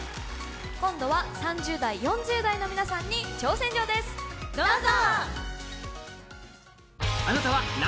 今度は３０代、４０代の皆さんに挑戦状です、どうぞ！